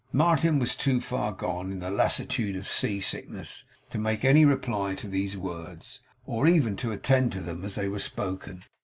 Martin was too far gone in the lassitude of sea sickness to make any reply to these words, or even to attend to them as they were spoken.